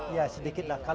iya sedikit lah